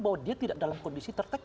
bahwa dia tidak dalam kondisi yang tersebut